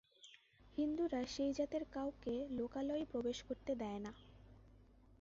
হিন্দুরা সেই জাতের কাউকে লোকালয়েই প্রবেশ করতে দেয় না।